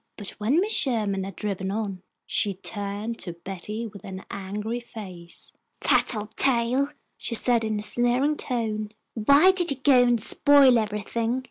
But when Mrs. Sherman had driven on, she turned to Betty with an angry face. "Tattletale," she said, in a sneering tone. "Why did you go and spoil everything?